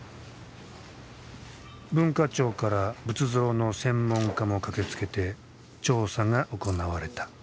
文化庁から仏像の専門家も駆けつけて調査が行われた。